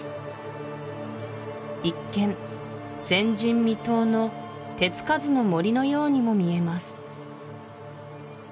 一見前人未到の手つかずの森のようにも見えます